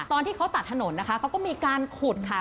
ตอนที่เขาตัดถนนนะคะเขาก็มีการขุดค่ะ